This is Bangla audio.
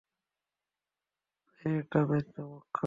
বাইরেটা বেশ চমৎকার।